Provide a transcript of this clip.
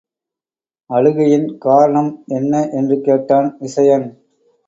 அழுகையின் காரணம் என்ன? என்று கேட்டான் விசயன்.